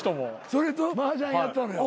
それとマージャンやったのよ。